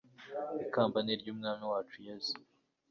ikamba ni ry'umwami wacu yezu